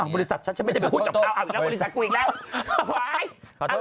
บริษัทฉันไม่ได้เป็นผู้จับข้าวอ้าวอีกแล้วบริษัทกูอีกแล้ว